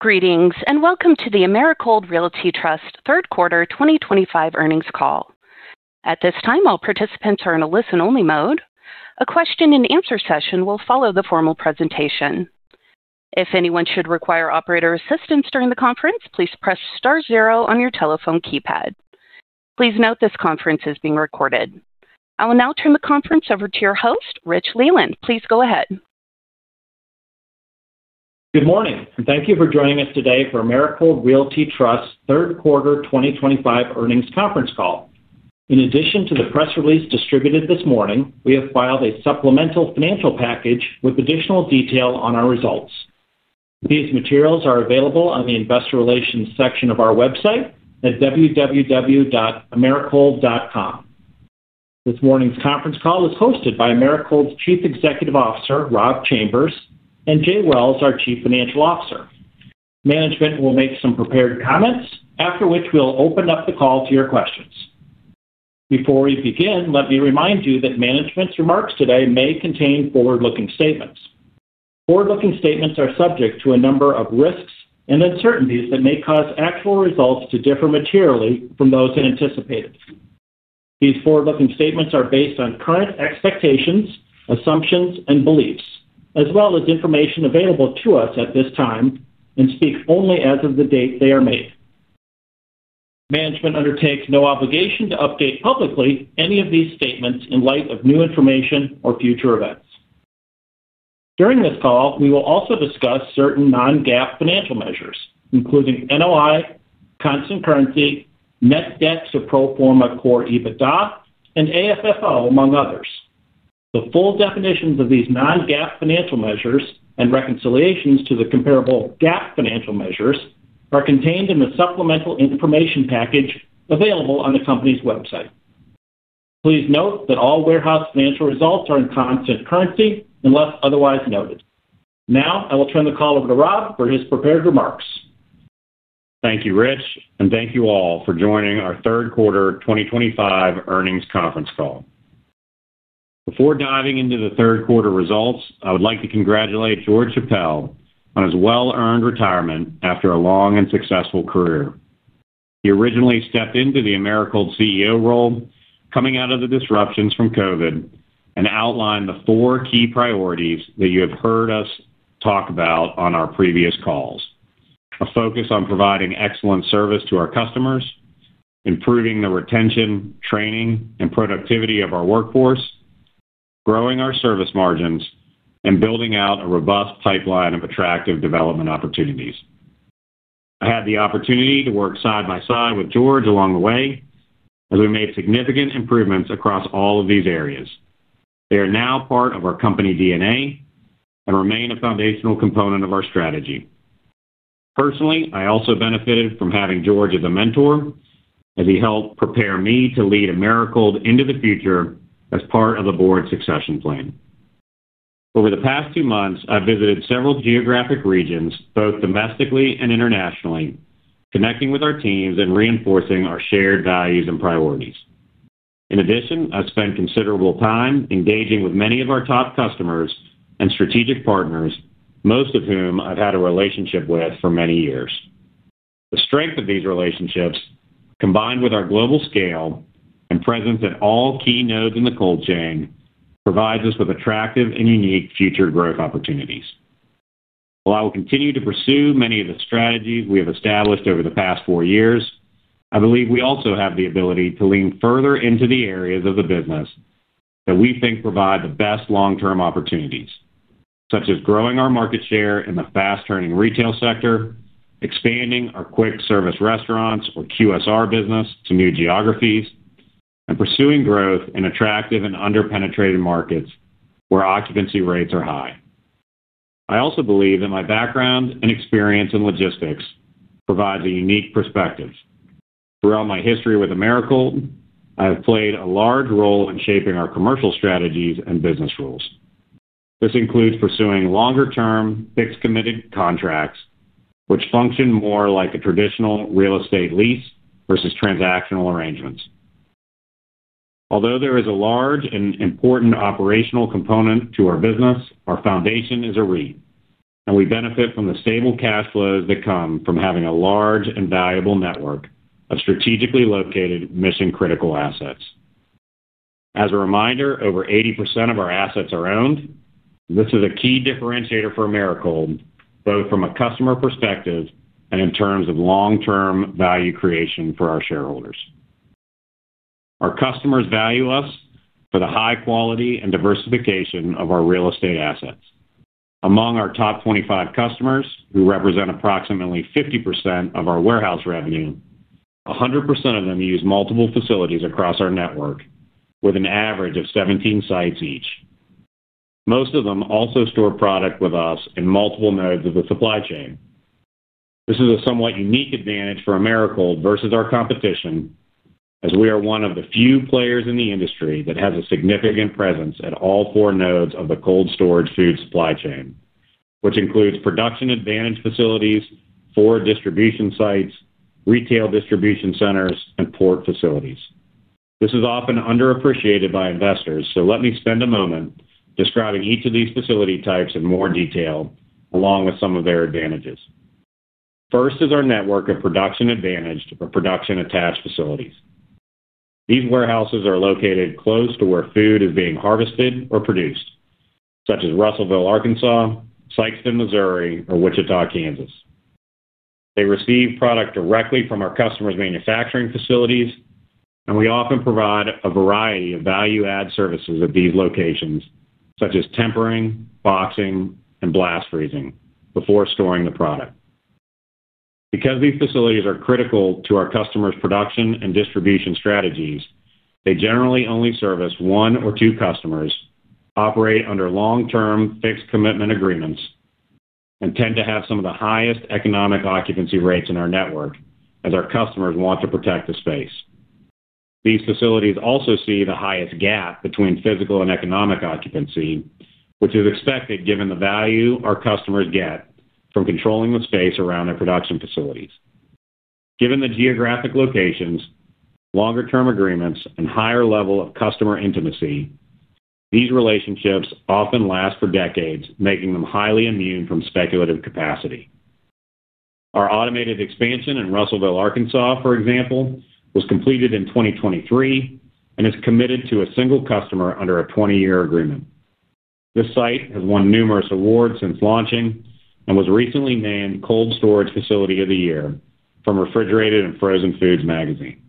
Greetings and welcome to the Americold Realty Trust Third Quarter 2025 earnings call. At this time, all participants are in a listen-only mode. A question-and-answer session will follow the formal presentation. If anyone should require operator assistance during the conference, please press star zero on your telephone keypad. Please note this conference is being recorded. I will now turn the conference over to your host, Rich Leland. Please go ahead. Good morning, and thank you for joining us today for Americold Realty Trust Third Quarter 2025 earnings conference call. In addition to the press release distributed this morning, we have filed a supplemental financial package with additional detail on our results. These materials are available on the investor relations section of our website at www.americold.com. This morning's conference call is hosted by Americold's Chief Executive Officer, Rob Chambers, and Jay Wells, our Chief Financial Officer. Management will make some prepared comments, after which we'll open up the call to your questions. Before we begin, let me remind you that management's remarks today may contain forward-looking statements. Forward-looking statements are subject to a number of risks and uncertainties that may cause actual results to differ materially from those anticipated. These forward-looking statements are based on current expectations, assumptions, and beliefs, as well as information available to us at this time and speak only as of the date they are made. Management undertakes no obligation to update publicly any of these statements in light of new information or future events. During this call, we will also discuss certain non-GAAP financial measures, including NOI, constant currency, net debt to pro forma core EBITDA, and AFFO, among others. The full definitions of these non-GAAP financial measures and reconciliations to the comparable GAAP financial measures are contained in the supplemental information package available on the company's website. Please note that all warehouse financial results are in constant currency unless otherwise noted. Now, I will turn the call over to Rob for his prepared remarks. Thank you, Rich, and thank you all for joining our Third Quarter 2025 earnings conference call. Before diving into the third quarter results, I would like to congratulate George Chappelle on his well-earned retirement after a long and successful career. He originally stepped into the Americold CEO role coming out of the disruptions from COVID and outlined the four key priorities that you have heard us talk about on our previous calls: a focus on providing excellent service to our customers, improving the retention, training, and productivity of our workforce, growing our service margins, and building out a robust pipeline of attractive development opportunities. I had the opportunity to work side by side with George along the way as we made significant improvements across all of these areas. They are now part of our company DNA and remain a foundational component of our strategy. Personally, I also benefited from having George as a mentor as he helped prepare me to lead Americold into the future as part of the board succession plan. Over the past two months, I've visited several geographic regions, both domestically and internationally, connecting with our teams and reinforcing our shared values and priorities. In addition, I've spent considerable time engaging with many of our top customers and strategic partners, most of whom I've had a relationship with for many years. The strength of these relationships, combined with our global scale and presence at all key nodes in the cold chain, provides us with attractive and unique future growth opportunities. While I will continue to pursue many of the strategies we have established over the past four years, I believe we also have the ability to lean further into the areas of the business. That we think provide the best long-term opportunities, such as growing our market share in the fast-turning retail sector, expanding our Quick Service Restaurants or QSR business to new geographies, and pursuing growth in attractive and under-penetrated markets where occupancy rates are high. I also believe that my background and experience in logistics provides a unique perspective. Throughout my history with Americold, I have played a large role in shaping our commercial strategies and business rules. This includes pursuing longer-term fixed-committed contracts, which function more like a traditional real estate lease versus transactional arrangements. Although there is a large and important operational component to our business, our foundation is a REIT, and we benefit from the stable cash flows that come from having a large and valuable network of strategically located mission-critical assets. As a reminder, over 80% of our assets are owned. This is a key differentiator for Americold, both from a customer perspective and in terms of long-term value creation for our shareholders. Our customers value us for the high quality and diversification of our real estate assets. Among our top 25 customers, who represent approximately 50% of our warehouse revenue, 100% of them use multiple facilities across our network, with an average of 17 sites each. Most of them also store product with us in multiple nodes of the supply chain. This is a somewhat unique advantage for Americold versus our competition. As we are one of the few players in the industry that has a significant presence at all four nodes of the cold storage food supply chain, which includes production-attached facilities, food distribution sites, retail distribution centers, and port facilities. This is often underappreciated by investors, so let me spend a moment describing each of these facility types in more detail, along with some of their advantages. First is our network of production-attached facilities. These warehouses are located close to where food is being harvested or produced, such as Russellville, Arkansas; Sikeston, Missouri, or Wichita, Kansas. They receive product directly from our customers' manufacturing facilities, and we often provide a variety of value-added services at these locations, such as tempering, boxing, and blast freezing before storing the product. Because these facilities are critical to our customers' production and distribution strategies, they generally only service one or two customers, operate under long-term fixed-commitment agreements, and tend to have some of the highest economic occupancy rates in our network as our customers want to protect the space. These facilities also see the highest gap between physical and economic occupancy, which is expected given the value our customers get from controlling the space around their production facilities. Given the geographic locations, longer-term agreements, and higher level of customer intimacy, these relationships often last for decades, making them highly immune from speculative capacity. Our automated expansion in Russellville, Arkansas, for example, was completed in 2023 and is committed to a single customer under a 20-year agreement. This site has won numerous awards since launching and was recently named Cold Storage Facility of the Year from Refrigerated & Frozen Foods Magazine.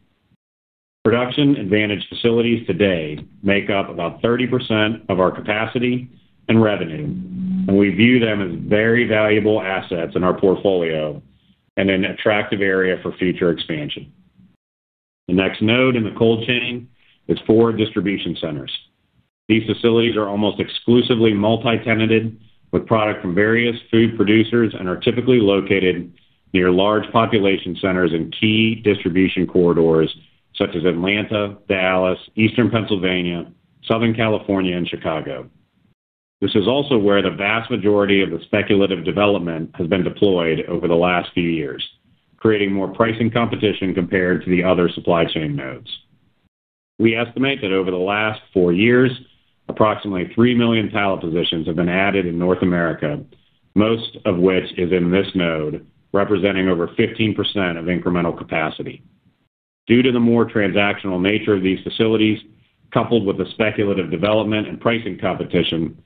Production-attached facilities today make up about 30% of our capacity and revenue, and we view them as very valuable assets in our portfolio and an attractive area for future expansion. The next node in the cold chain is four distribution centers. These facilities are almost exclusively multi-tenanted with product from various food producers and are typically located near large population centers and key distribution corridors such as Atlanta, Dallas, Eastern Pennsylvania, Southern California, and Chicago. This is also where the vast majority of the speculative development has been deployed over the last few years, creating more pricing competition compared to the other supply chain nodes. We estimate that over the last four years, approximately 3 million pallet positions have been added in North America, most of which is in this node, representing over 15% of incremental capacity. Due to the more transactional nature of these facilities, coupled with the speculative development and pricing competition,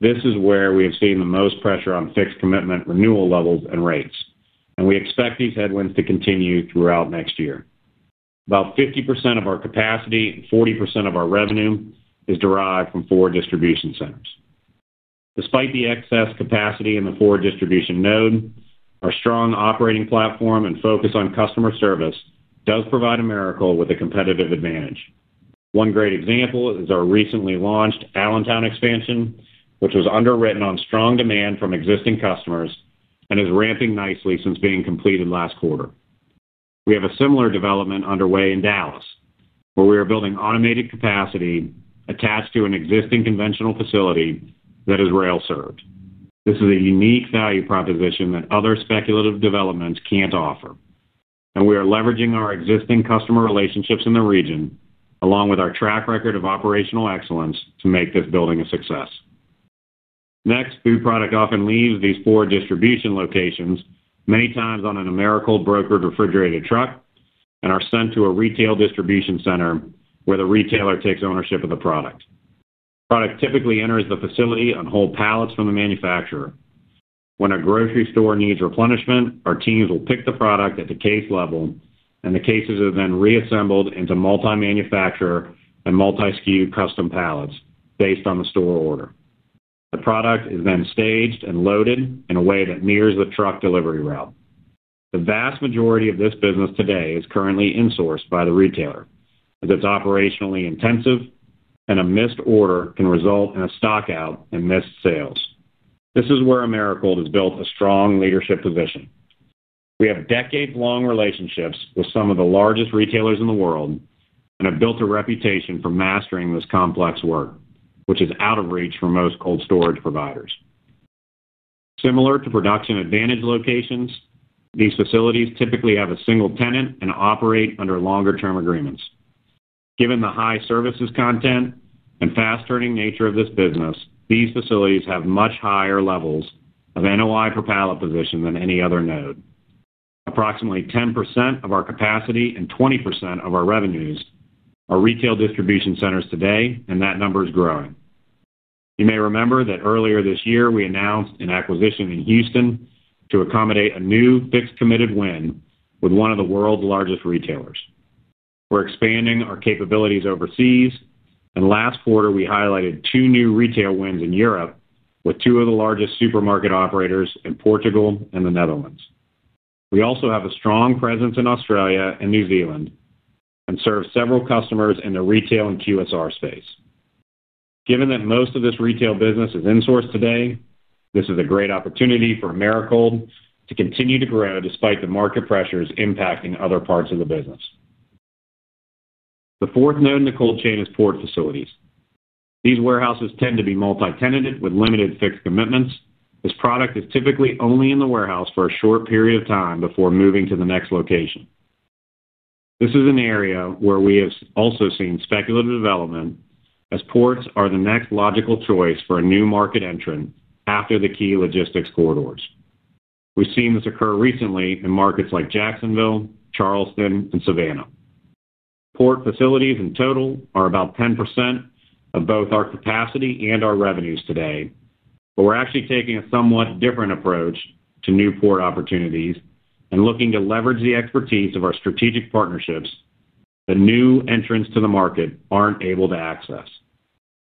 this is where we have seen the most pressure on fixed-commitment renewal levels and rates, and we expect these headwinds to continue throughout next year. About 50% of our capacity and 40% of our revenue is derived from four distribution centers. Despite the excess capacity in the four distribution node, our strong operating platform and focus on customer service does provide Americold with a competitive advantage. One great example is our recently launched Allentown expansion, which was underwritten on strong demand from existing customers and is ramping nicely since being completed last quarter. We have a similar development underway in Dallas, where we are building automated capacity attached to an existing conventional facility that is rail-served. This is a unique value proposition that other speculative developments can't offer, and we are leveraging our existing customer relationships in the region along with our track record of operational excellence to make this building a success. Next, food product often leaves these four distribution locations many times on an Americold brokered refrigerated truck and are sent to a retail distribution center where the retailer takes ownership of the product. Product typically enters the facility on whole pallets from the manufacturer. When a grocery store needs replenishment, our teams will pick the product at the case level, and the cases are then reassembled into multi-manufacturer and multi-skew custom pallets based on the store order. The product is then staged and loaded in a way that mirrors the truck delivery route. The vast majority of this business today is currently insourced by the retailer as it's operationally intensive, and a missed order can result in a stockout and missed sales. This is where Americold has built a strong leadership position. We have decades-long relationships with some of the largest retailers in the world and have built a reputation for mastering this complex work, which is out of reach for most cold storage providers. Similar to production-attached locations, these facilities typically have a single tenant and operate under longer-term agreements. Given the high services content and fast-turning nature of this business, these facilities have much higher levels of NOI per pallet position than any other node. Approximately 10% of our capacity and 20% of our revenues are retail distribution centers today, and that number is growing. You may remember that earlier this year, we announced an acquisition in Houston to accommodate a new fixed-committed win with one of the world's largest retailers. We're expanding our capabilities overseas, and last quarter, we highlighted two new retail wins in Europe with two of the largest supermarket operators in Portugal and the Netherlands. We also have a strong presence in Australia and New Zealand. We serve several customers in the retail and QSR space. Given that most of this retail business is insourced today, this is a great opportunity for Americold to continue to grow despite the market pressures impacting other parts of the business. The fourth node in the cold chain is port facilities. These warehouses tend to be multi-tenanted with limited fixed commitments. This product is typically only in the warehouse for a short period of time before moving to the next location. This is an area where we have also seen speculative development as ports are the next logical choice for a new market entrant after the key logistics corridors. We have seen this occur recently in markets like Jacksonville, Charleston, and Savannah. Port facilities in total are about 10% of both our capacity and our revenues today, but we're actually taking a somewhat different approach to new port opportunities and looking to leverage the expertise of our strategic partnerships that new entrants to the market aren't able to access.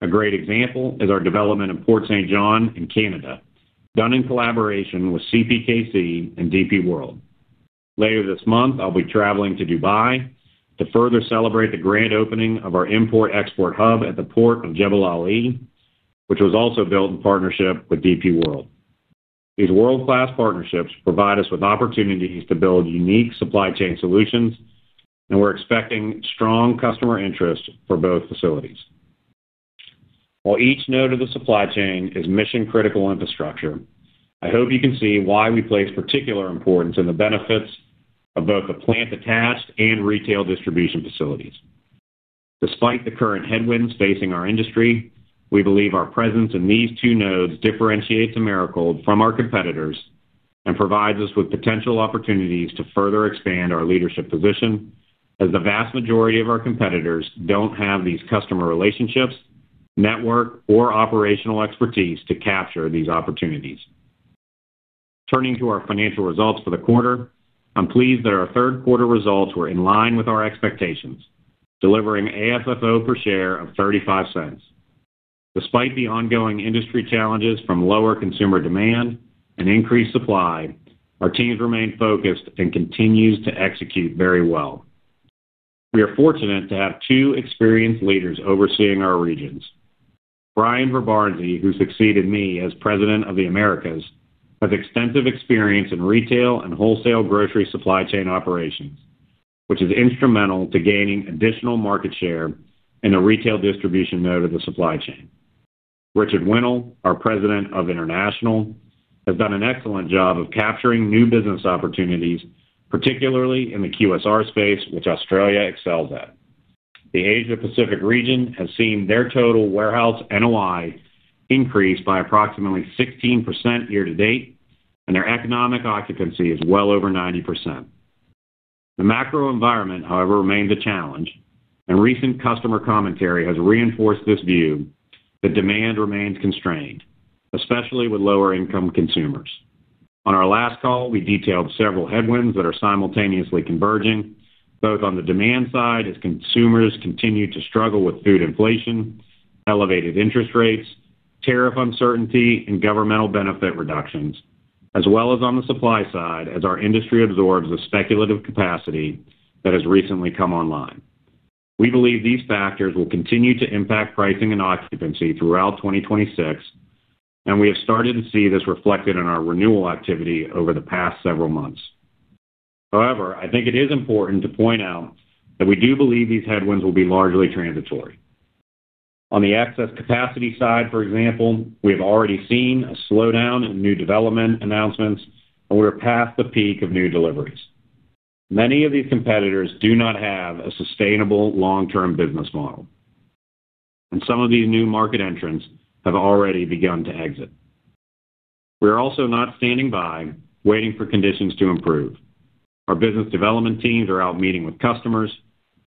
A great example is our development in Port of Saint John in Canada, done in collaboration with CPKC and DP World. Later this month, I'll be traveling to Dubai to further celebrate the grand opening of our import-export hub at the Port of Jebel Ali, which was also built in partnership with DP World. These world-class partnerships provide us with opportunities to build unique supply chain solutions, and we're expecting strong customer interest for both facilities. While each node of the supply chain is mission-critical infrastructure, I hope you can see why we place particular importance in the benefits of both the plant-attached and retail distribution facilities. Despite the current headwinds facing our industry, we believe our presence in these two nodes differentiates Americold from our competitors and provides us with potential opportunities to further expand our leadership position. As the vast majority of our competitors don't have these customer relationships, network, or operational expertise to capture these opportunities. Turning to our financial results for the quarter, I am pleased that our third-quarter results were in line with our expectations, delivering AFFO per share of $0.35. Despite the ongoing industry challenges from lower consumer demand and increased supply, our teams remain focused and continue to execute very well. We are fortunate to have two experienced leaders overseeing our regions. Bryan Verbarendse, who succeeded me as President of the Americas, has extensive experience in retail and wholesale grocery supply chain operations, which is instrumental to gaining additional market share in the retail distribution node of the supply chain. Richard Winnall, our President of International, has done an excellent job of capturing new business opportunities, particularly in the QSR space, which Australia excels at. The Asia-Pacific region has seen their total warehouse NOI increase by approximately 16% year-to-date, and their economic occupancy is well over 90%. The macro environment, however, remains a challenge, and recent customer commentary has reinforced this view that demand remains constrained, especially with lower-income consumers. On our last call, we detailed several headwinds that are simultaneously converging, both on the demand side as consumers continue to struggle with food inflation, elevated interest rates, tariff uncertainty, and governmental benefit reductions, as well as on the supply side as our industry absorbs the speculative capacity that has recently come online. We believe these factors will continue to impact pricing and occupancy throughout 2026. We have started to see this reflected in our renewal activity over the past several months. However, I think it is important to point out that we do believe these headwinds will be largely transitory. On the excess capacity side, for example, we have already seen a slowdown in new development announcements, and we are past the peak of new deliveries. Many of these competitors do not have a sustainable long-term business model. Some of these new market entrants have already begun to exit. We are also not standing by, waiting for conditions to improve. Our business development teams are out meeting with customers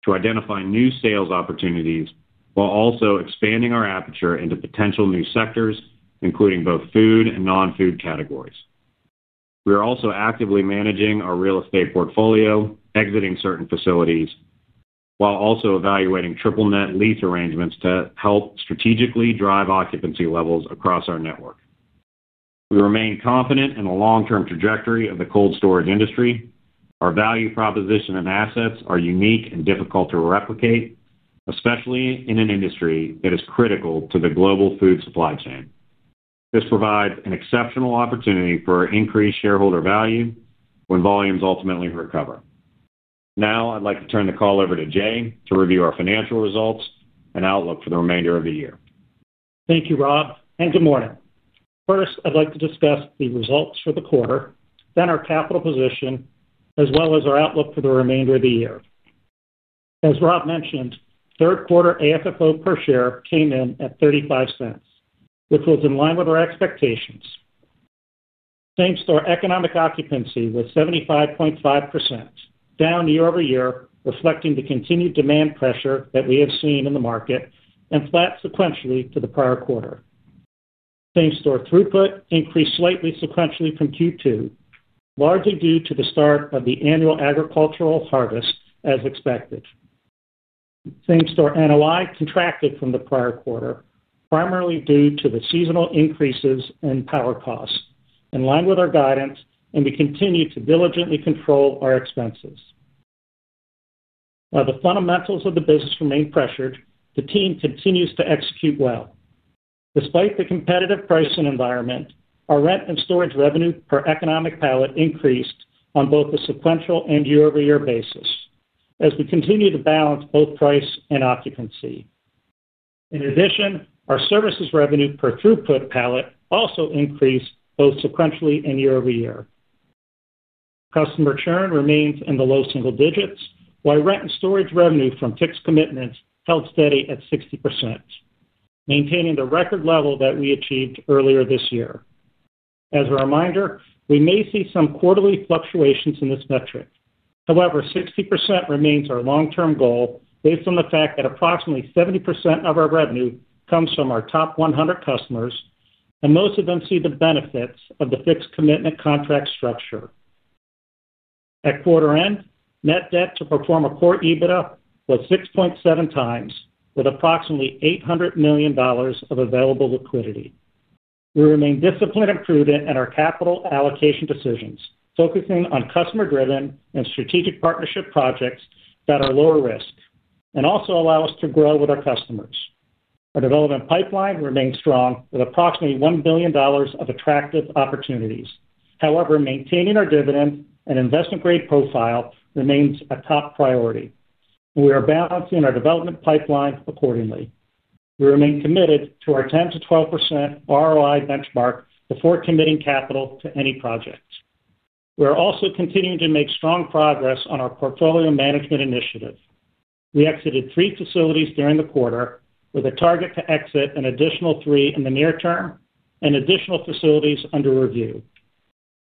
to identify new sales opportunities while also expanding our aperture into potential new sectors, including both food and non-food categories. We are also actively managing our real estate portfolio, exiting certain facilities, while also evaluating triple-net lease arrangements to help strategically drive occupancy levels across our network. We remain confident in the long-term trajectory of the cold storage industry. Our value proposition and assets are unique and difficult to replicate, especially in an industry that is critical to the global food supply chain. This provides an exceptional opportunity for increased shareholder value when volumes ultimately recover. Now, I'd like to turn the call over to Jay to review our financial results and outlook for the remainder of the year. Thank you, Rob. And good morning. First, I'd like to discuss the results for the quarter, then our capital position, as well as our outlook for the remainder of the year. As Rob mentioned, third-quarter AFFO per share came in at $0.35, which was in line with our expectations. Same-store economic occupancy was 75.5%, down year-over-year, reflecting the continued demand pressure that we have seen in the market and flat sequentially to the prior quarter. Same-store throughput increased slightly sequentially from Q2, largely due to the start of the annual agricultural harvest as expected. Same-store NOI contracted from the prior quarter, primarily due to the seasonal increases in power costs. In line with our guidance, we continue to diligently control our expenses. While the fundamentals of the business remain pressured, the team continues to execute well. Despite the competitive pricing environment, our rent and storage revenue per economic pallet increased on both the sequential and year-over-year basis as we continue to balance both price and occupancy. In addition, our services revenue per throughput pallet also increased both sequentially and year-over-year. Customer churn remains in the low single digits, while rent and storage revenue from fixed commitments held steady at 60%, maintaining the record level that we achieved earlier this year. As a reminder, we may see some quarterly fluctuations in this metric. However, 60% remains our long-term goal based on the fact that approximately 70% of our revenue comes from our top 100 customers, and most of them see the benefits of the fixed commitment contract structure. At quarter-end, net debt to pro forma core EBITDA was 6.7 times, with approximately $800 million of available liquidity. We remain disciplined and prudent in our capital allocation decisions, focusing on customer-driven and strategic partnership projects that are lower risk and also allow us to grow with our customers. Our development pipeline remains strong with approximately $1 billion of attractive opportunities. However, maintaining our dividend and investment-grade profile remains a top priority, and we are balancing our development pipeline accordingly. We remain committed to our 10%-12% ROI benchmark before committing capital to any project. We are also continuing to make strong progress on our portfolio management initiative. We exited three facilities during the quarter, with a target to exit an additional three in the near term and additional facilities under review.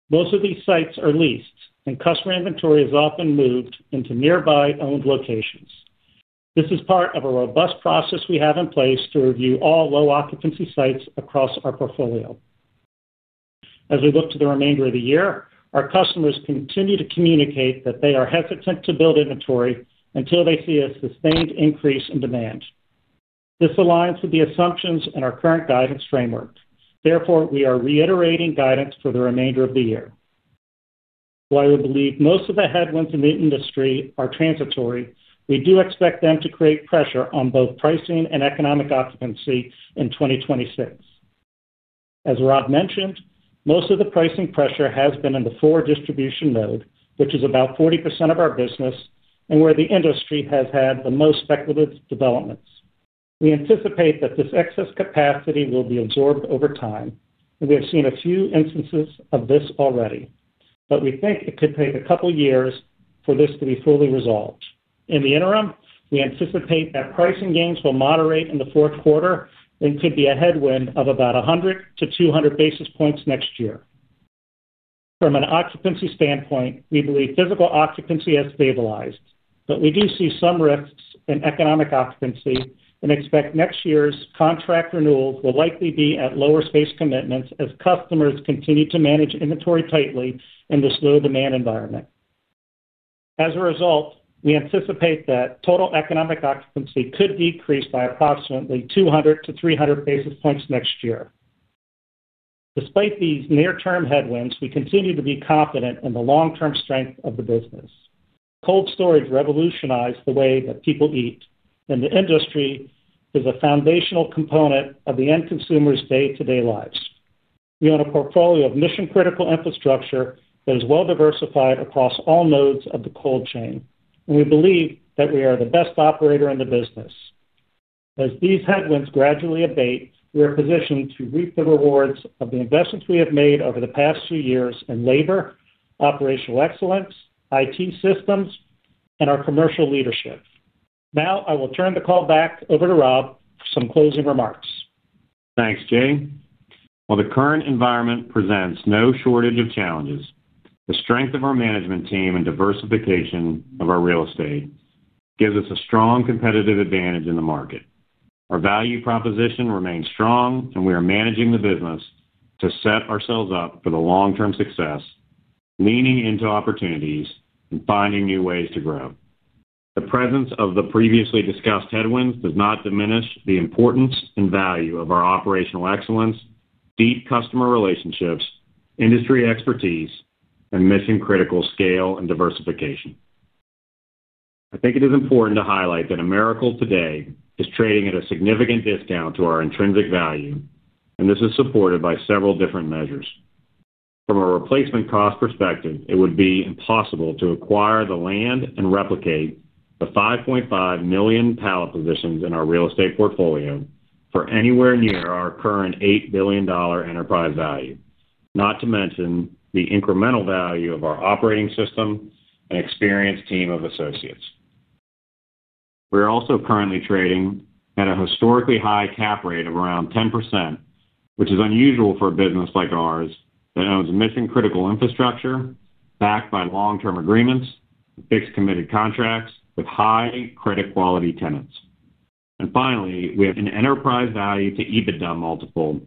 Most of these sites are leased, and customer inventory is often moved into nearby owned locations. This is part of a robust process we have in place to review all low-occupancy sites across our portfolio. As we look to the remainder of the year, our customers continue to communicate that they are hesitant to build inventory until they see a sustained increase in demand. This aligns with the assumptions in our current guidance framework. Therefore, we are reiterating guidance for the remainder of the year. While we believe most of the headwinds in the industry are transitory, we do expect them to create pressure on both pricing and economic occupancy in 2026. As Rob mentioned, most of the pricing pressure has been in the four distribution node, which is about 40% of our business and where the industry has had the most speculative developments. We anticipate that this excess capacity will be absorbed over time, and we have seen a few instances of this already, but we think it could take a couple of years for this to be fully resolved. In the interim, we anticipate that pricing gains will moderate in the fourth quarter and could be a headwind of about 100-200 basis points next year. From an occupancy standpoint, we believe physical occupancy has stabilized, but we do see some risks in economic occupancy and expect next year's contract renewals will likely be at lower space commitments as customers continue to manage inventory tightly in this low-demand environment. As a result, we anticipate that total economic occupancy could decrease by approximately 200-300 basis points next year. Despite these near-term headwinds, we continue to be confident in the long-term strength of the business. Cold storage revolutionized the way that people eat, and the industry is a foundational component of the end consumer's day-to-day lives. We own a portfolio of mission-critical infrastructure that is well-diversified across all nodes of the cold chain, and we believe that we are the best operator in the business. As these headwinds gradually abate, we are positioned to reap the rewards of the investments we have made over the past few years in labor, operational excellence, IT systems, and our commercial leadership. Now, I will turn the call back over to Rob for some closing remarks. Thanks, Jay. While the current environment presents no shortage of challenges, the strength of our management team and diversification of our real estate gives us a strong competitive advantage in the market. Our value proposition remains strong, and we are managing the business to set ourselves up for the long-term success. Leaning into opportunities and finding new ways to grow. The presence of the previously discussed headwinds does not diminish the importance and value of our operational excellence, deep customer relationships, industry expertise, and mission-critical scale and diversification. I think it is important to highlight that Americold today is trading at a significant discount to our intrinsic value, and this is supported by several different measures. From a replacement cost perspective, it would be impossible to acquire the land and replicate the 5.5 million pallet positions in our real estate portfolio for anywhere near our current $8 billion enterprise value, not to mention the incremental value of our operating system and experienced team of associates. We are also currently trading at a historically high cap rate of around 10%, which is unusual for a business like ours that owns mission-critical infrastructure backed by long-term agreements and fixed committed contracts with high credit quality tenants. Finally, we have an enterprise value to EBITDA multiple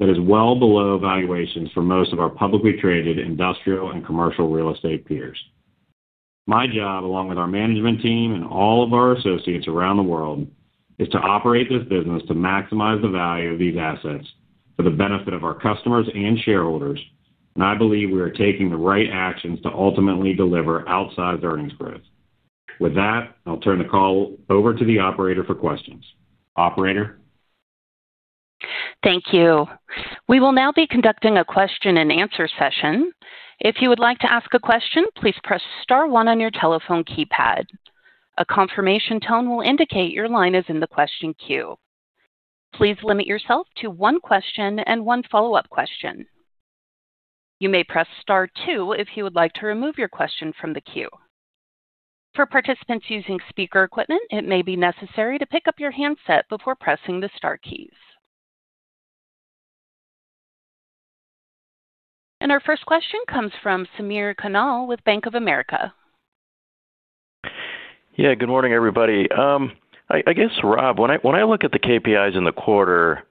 that is well below valuations for most of our publicly traded industrial and commercial real estate peers. My job, along with our management team and all of our associates around the world, is to operate this business to maximize the value of these assets for the benefit of our customers and shareholders, and I believe we are taking the right actions to ultimately deliver outsized earnings growth. With that, I'll turn the call over to the operator for questions. Operator? Thank you. We will now be conducting a question-and-answer session. If you would like to ask a question, please press star one on your telephone keypad. A confirmation tone will indicate your line is in the question queue. Please limit yourself to one question and one follow-up question. You may press star two if you would like to remove your question from the queue. For participants using speaker equipment, it may be necessary to pick up your handset before pressing the star keys. Our first question comes from Samir Khanal with Bank of America. Yeah. Good morning, everybody. I guess, Rob, when I look at the KPIs in the quarter.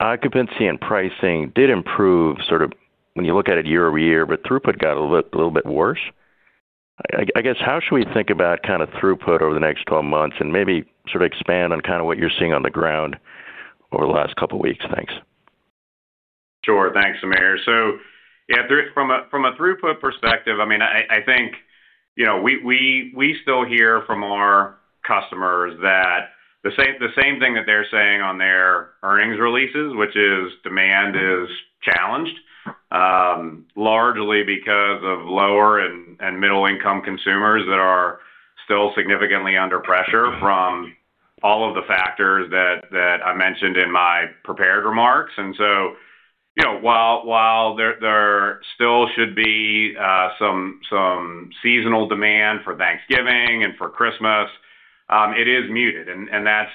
Occupancy and pricing did improve sort of when you look at it year-over-year, but throughput got a little bit worse. I guess, how should we think about kind of throughput over the next 12 months and maybe sort of expand on kind of what you're seeing on the ground over the last couple of weeks? Thanks. Sure. Thanks, Samir. So yeah, from a throughput perspective, I mean, I think we still hear from our customers that the same thing that they're saying on their earnings releases, which is demand is challenged. Largely because of lower and middle-income consumers that are still significantly under pressure from all of the factors that I mentioned in my prepared remarks. And so while there still should be some seasonal demand for Thanksgiving and for Christmas, it is muted, and that's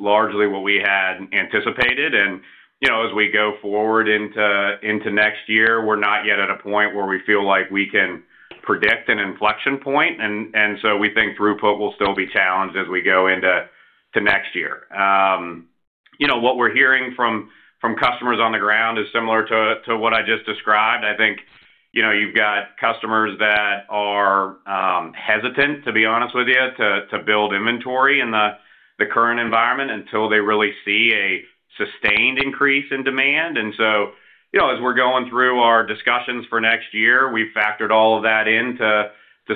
largely what we had anticipated. As we go forward into next year, we're not yet at a point where we feel like we can predict an inflection point, and so we think throughput will still be challenged as we go into next year. What we're hearing from customers on the ground is similar to what I just described. I think you've got customers that are hesitant, to be honest with you, to build inventory in the current environment until they really see a sustained increase in demand. As we're going through our discussions for next year, we've factored all of that into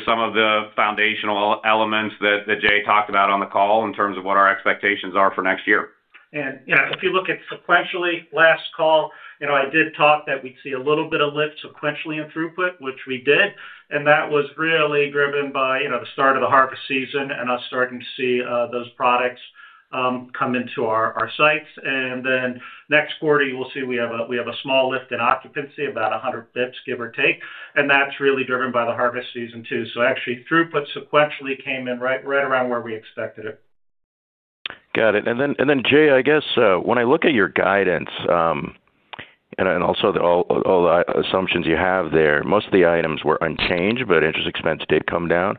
some of the foundational elements that Jay talked about on the call in terms of what our expectations are for next year. If you look at sequentially, last call, I did talk that we'd see a little bit of lift sequentially in throughput, which we did, and that was really driven by the start of the harvest season and us starting to see those products come into our sites. Next quarter, you will see we have a small lift in occupancy, about 100 basis points, give or take, and that's really driven by the harvest season too. Actually, throughput sequentially came in right around where we expected it. Got it. Then, Jay, I guess when I look at your guidance and also all the assumptions you have there, most of the items were unchanged, but interest expense did come down.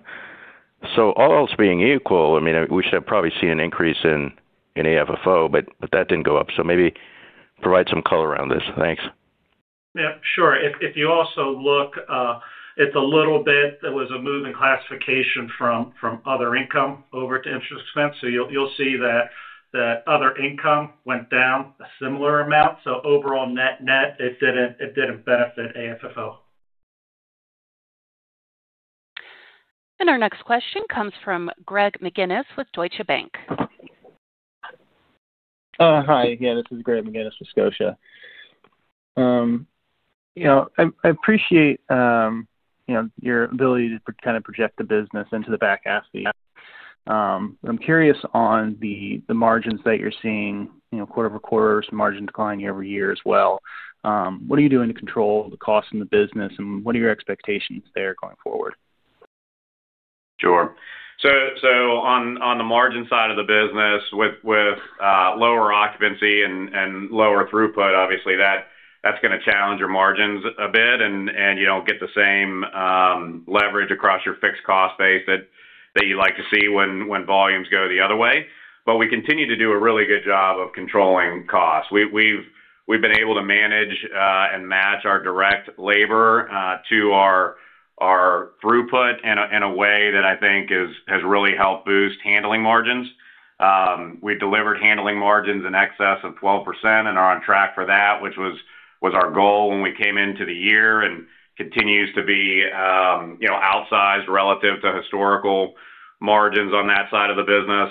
All else being equal, I mean, we should have probably seen an increase in AFFO, but that did not go up. Maybe provide some color around this. Thanks. Yep. Sure. If you also look at the little bit that was a move in classification from other income over to interest expense, you will see that other income went down a similar amount. Overall, net net, it did not benefit AFFO. Our next question comes from Greg McGinnis with Deutsche Bank. [Scotiabank] Hi. Yeah, this is Greg McGinnis with Scotia. I appreciate your ability to kind of project the business into the back half of the year. I'm curious on the margins that you're seeing, quarter-over-quarter, margin decline year-over-year as well. What are you doing to control the cost in the business, and what are your expectations there going forward? Sure. On the margin side of the business, with lower occupancy and lower throughput, obviously, that's going to challenge your margins a bit, and you don't get the same leverage across your fixed cost base that you like to see when volumes go the other way. We continue to do a really good job of controlling costs. We've been able to manage and match our direct labor to our throughput in a way that I think has really helped boost handling margins. We delivered handling margins in excess of 12% and are on track for that, which was our goal when we came into the year and continues to be. Outsized relative to historical margins on that side of the business.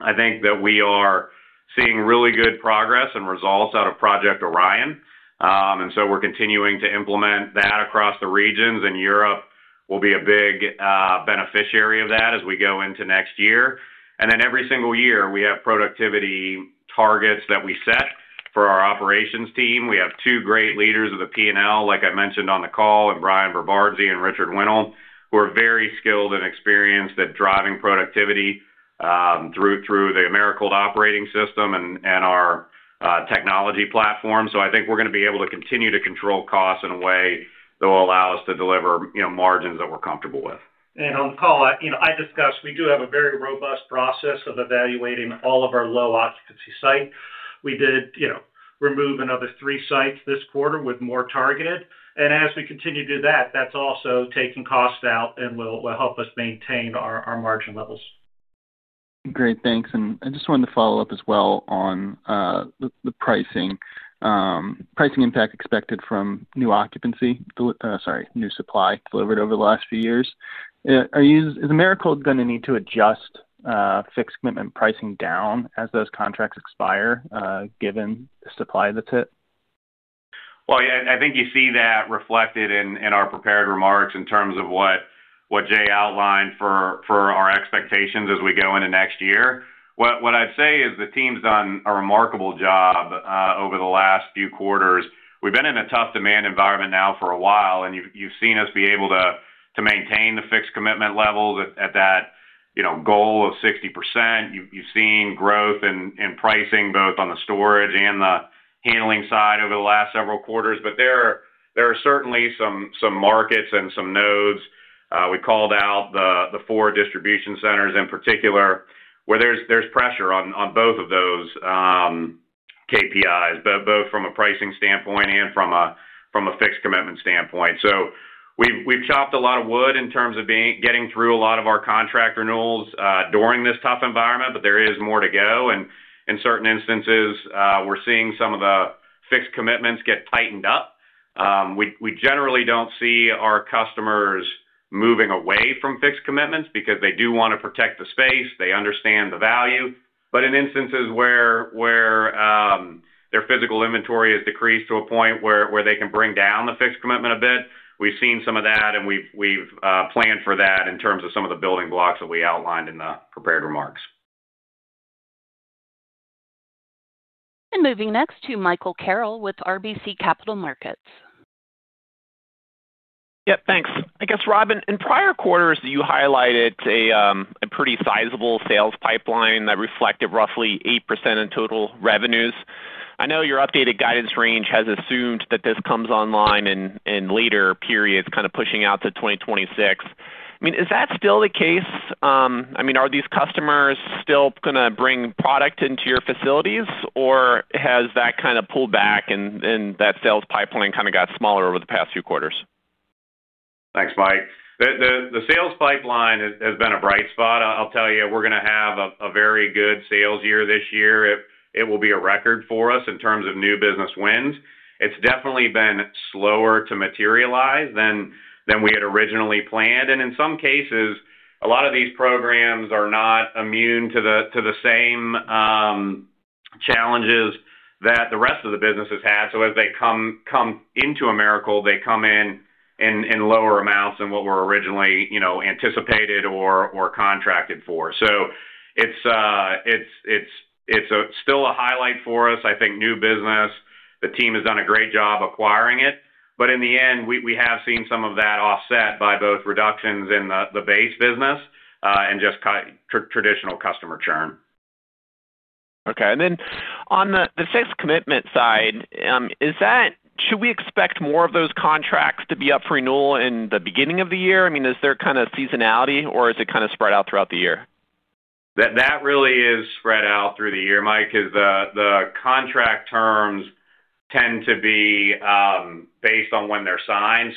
I think that we are seeing really good progress and results out of Project Orion. We are continuing to implement that across the regions, and Europe will be a big beneficiary of that as we go into next year. Every single year, we have productivity targets that we set for our operations team. We have two great leaders of the P&L, like I mentioned on the call, Bryan Verbarendse and Richard Winnall, who are very skilled and experienced at driving productivity through the Americold operating system and our technology platform. I think we're going to be able to continue to control costs in a way that will allow us to deliver margins that we're comfortable with. On the call, I discussed we do have a very robust process of evaluating all of our low-occupancy sites. We did remove another three sites this quarter with more targeted. As we continue to do that, that's also taking costs out and will help us maintain our margin levels. Great. Thanks. I just wanted to follow up as well on the pricing impact expected from new occupancy, sorry, new supply delivered over the last few years. Is Americold going to need to adjust fixed commitment pricing down as those contracts expire given the supply that's hit? I think you see that reflected in our prepared remarks in terms of what Jay outlined for our expectations as we go into next year. What I'd say is the team's done a remarkable job over the last few quarters. We've been in a tough demand environment now for a while, and you've seen us be able to maintain the fixed commitment levels at that goal of 60%. You've seen growth in pricing both on the storage and the handling side over the last several quarters. There are certainly some markets and some nodes. We called out the four distribution centers in particular, where there's pressure on both of those KPIs, both from a pricing standpoint and from a fixed commitment standpoint. We have chopped a lot of wood in terms of getting through a lot of our contract renewals during this tough environment, but there is more to go. In certain instances, we are seeing some of the fixed commitments get tightened up. We generally do not see our customers moving away from fixed commitments because they do want to protect the space. They understand the value. In instances where their physical inventory has decreased to a point where they can bring down the fixed commitment a bit, we have seen some of that, and we have planned for that in terms of some of the building blocks that we outlined in the prepared remarks. Moving next to Michael Carroll with RBC Capital Markets. Thanks. I guess, Rob, in prior quarters, you highlighted a pretty sizable sales pipeline that reflected roughly 8% in total revenues. I know your updated guidance range has assumed that this comes online in later periods, kind of pushing out to 2026. I mean, is that still the case? I mean, are these customers still going to bring product into your facilities, or has that kind of pulled back and that sales pipeline kind of got smaller over the past few quarters? Thanks, Mike. The sales pipeline has been a bright spot. I'll tell you, we're going to have a very good sales year this year. It will be a record for us in terms of new business wins. It's definitely been slower to materialize than we had originally planned. In some cases, a lot of these programs are not immune to the same challenges that the rest of the business has had. As they come into Americold, they come in lower amounts than what were originally anticipated or contracted for. It's still a highlight for us. I think new business, the team has done a great job acquiring it. In the end, we have seen some of that offset by both reductions in the base business and just traditional customer churn. Okay. On the fixed commitment side, should we expect more of those contracts to be up for renewal in the beginning of the year? I mean, is there kind of seasonality, or is it kind of spread out throughout the year? That really is spread out through the year, Mike, because the contract terms tend to be based on when they're signed.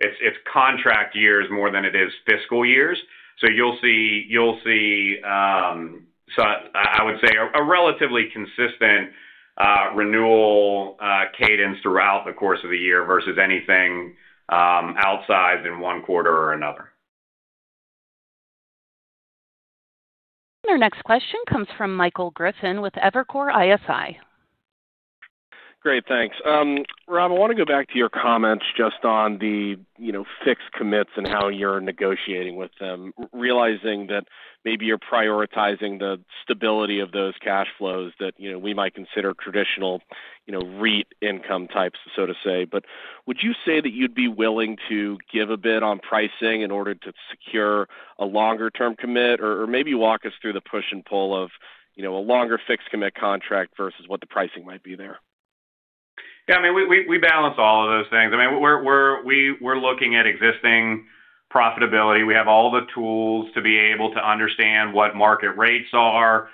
It's contract years more than it is fiscal years. You'll see, I would say, a relatively consistent renewal cadence throughout the course of the year versus anything outsized in one quarter or another. Our next question comes from Michael Griffin with Evercore ISI. Great. Thanks. Rob, I want to go back to your comments just on the fixed commits and how you're negotiating with them, realizing that maybe you're prioritizing the stability of those cash flows that we might consider traditional REIT income types, so to say. Would you say that you'd be willing to give a bit on pricing in order to secure a longer-term commit, or maybe walk us through the push and pull of a longer fixed commit contract versus what the pricing might be there? Yeah. I mean, we balance all of those things. I mean, we're looking at existing profitability. We have all the tools to be able to understand what market rates are,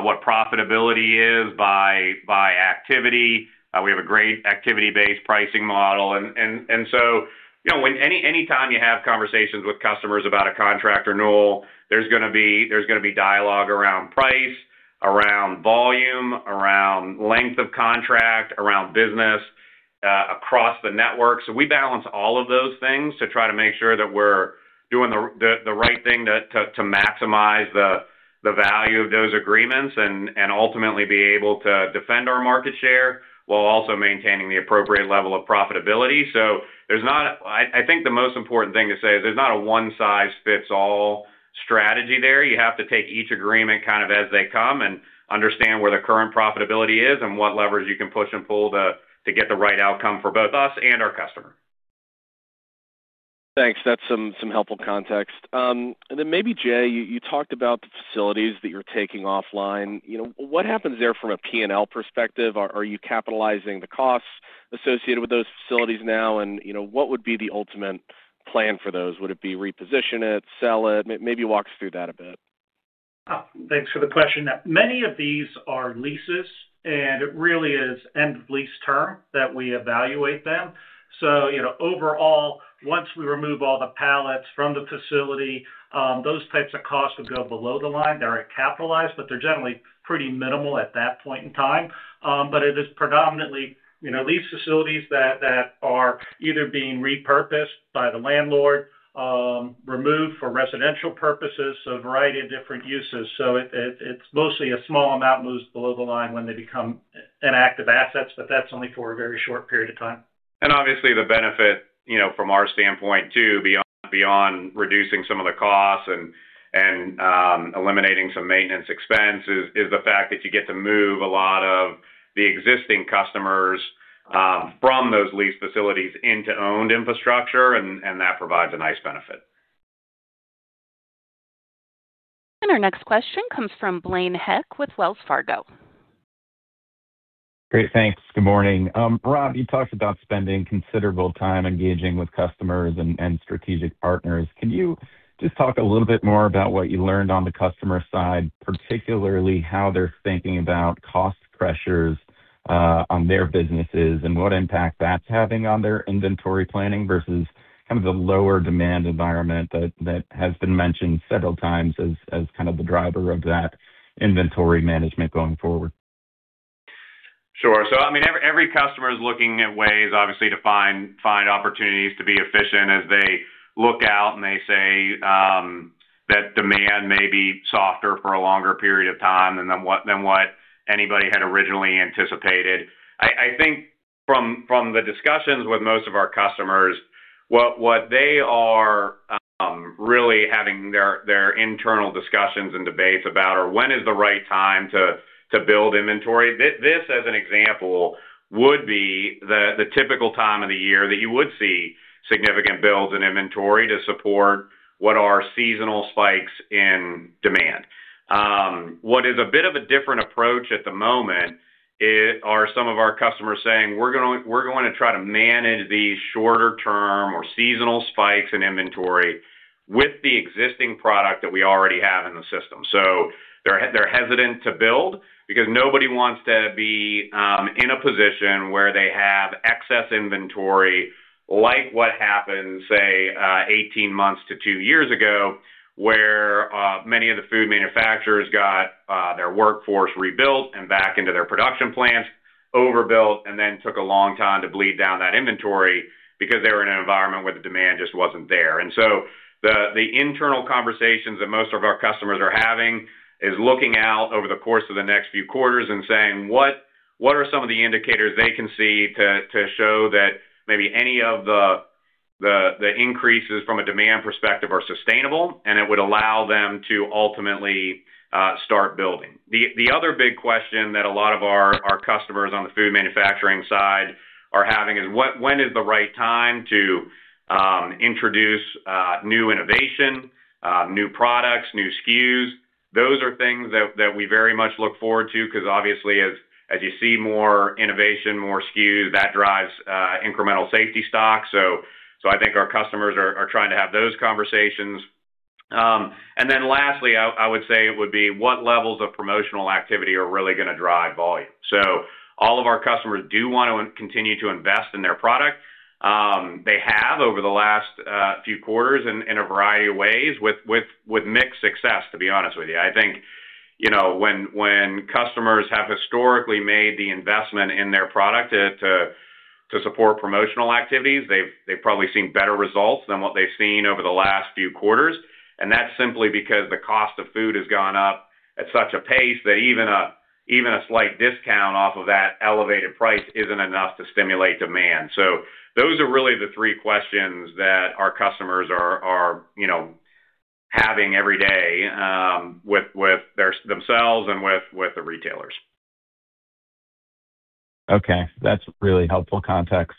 what profitability is by activity. We have a great activity-based pricing model. Anytime you have conversations with customers about a contract renewal, there's going to be dialogue around price, around volume, around length of contract, around business across the network. We balance all of those things to try to make sure that we're doing the right thing to maximize the value of those agreements and ultimately be able to defend our market share while also maintaining the appropriate level of profitability. I think the most important thing to say is there's not a one-size-fits-all strategy there. You have to take each agreement kind of as they come and understand where the current profitability is and what levers you can push and pull to get the right outcome for both us and our customer. Thanks. That's some helpful context. Maybe, Jay, you talked about the facilities that you're taking offline. What happens there from a P&L perspective? Are you capitalizing the costs associated with those facilities now? What would be the ultimate plan for those? Would it be reposition it, sell it? Maybe walk us through that a bit. Thanks for the question. Many of these are leases, and it really is end-of-lease term that we evaluate them. Overall, once we remove all the pallets from the facility, those types of costs would go below the line that are capitalized, but they are generally pretty minimal at that point in time. It is predominantly these facilities that are either being repurposed by the landlord, removed for residential purposes, so a variety of different uses. Mostly a small amount moves below the line when they become inactive assets, but that is only for a very short period of time. Obviously, the benefit from our standpoint too, beyond reducing some of the costs and eliminating some maintenance expenses is the fact that you get to move a lot of the existing customers from those leased facilities into owned infrastructure, and that provides a nice benefit. Our next question comes from Blaine Heck with Wells Fargo. Great. Thanks. Good morning. Rob, you talked about spending considerable time engaging with customers and strategic partners. Can you just talk a little bit more about what you learned on the customer side, particularly how they're thinking about cost pressures on their businesses and what impact that's having on their inventory planning versus kind of the lower demand environment that has been mentioned several times as kind of the driver of that inventory management going forward? Sure. I mean, every customer is looking at ways, obviously, to find opportunities to be efficient as they look out and they say. That demand may be softer for a longer period of time than what anybody had originally anticipated. I think from the discussions with most of our customers, what they are really having their internal discussions and debates about are when is the right time to build inventory. This, as an example, would be the typical time of the year that you would see significant builds in inventory to support what are seasonal spikes in demand. What is a bit of a different approach at the moment are some of our customers saying, "We're going to try to manage these shorter-term or seasonal spikes in inventory with the existing product that we already have in the system." So, they're hesitant to build because nobody wants to be in a position where they have excess inventory like what happened, say, 18 months to two years ago, where many of the food manufacturers got their workforce rebuilt and back into their production plants, overbuilt, and then took a long time to bleed down that inventory because they were in an environment where the demand just was not there. The internal conversations that most of our customers are having is looking out over the course of the next few quarters and saying, "What are some of the indicators they can see to show that maybe any of the increases from a demand perspective are sustainable, and it would allow them to ultimately start building?" The other big question that a lot of our customers on the food manufacturing side are having is, "When is the right time to introduce new innovation, new products, new SKUs?" Those are things that we very much look forward to because, obviously, as you see more innovation, more SKUs, that drives incremental safety stock. I think our customers are trying to have those conversations. Lastly, I would say it would be what levels of promotional activity are really going to drive volume. All of our customers do want to continue to invest in their product. They have over the last few quarters in a variety of ways with mixed success, to be honest with you. I think when customers have historically made the investment in their product to support promotional activities, they've probably seen better results than what they've seen over the last few quarters. That's simply because the cost of food has gone up at such a pace that even a slight discount off of that elevated price isn't enough to stimulate demand. Those are really the three questions that our customers are having every day with themselves and with the retailers. Okay. That's really helpful context.